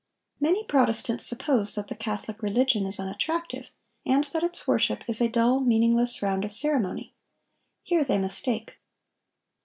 Many Protestants suppose that the Catholic religion is unattractive, and that its worship is a dull, meaningless round of ceremony. Here they mistake.